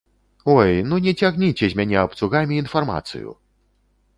Ой, ну не цягніце з мяне абцугамі інфармацыю!